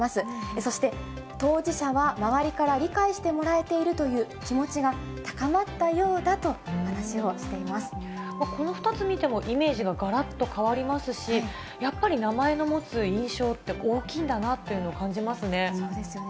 そして、当事者は、周りから理解してもらえているという気持ちが高まったようだと話この２つ見ても、イメージががらっと変わりますし、やっぱり名前の持つ印象って大きそうですよね。